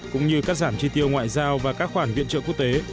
cũng như cắt giảm chi tiêu ngoại giao và các khoản viện trợ quốc tế